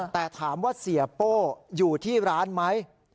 แต่ถามว่าเสียโป้อยู่ที่ร้านไหม